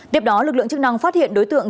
tiếp đó lực lượng chức năng phát hiện đối tượng